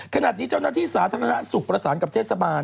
ขนาดนี้เจ้านักที่ศาสตร์ธรรมนาศุกร์ประสานกับเทศบาล